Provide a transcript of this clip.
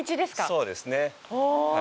そうですね。